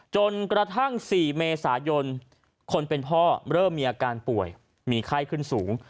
จนกระทั่ง๔เมษายนคนเป็นพ่อเริ่มมีอาการป่วยมีไข้ขึ้นสูง